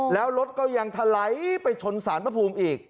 แล้วรถก็ยังถลายไปชนสารพระภูมิอีก